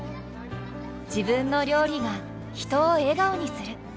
自分の料理が人を笑顔にする。